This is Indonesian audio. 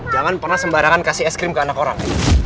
jangan pernah sembarangan kasih es krim ke anak orang